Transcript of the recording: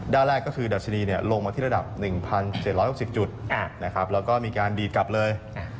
ด้านแรกก็คือดัชนีลงมาที่ระดับ๑๗๖๐จุดแล้วก็มีการดีดกลับเลย